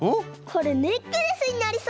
これネックレスになりそう！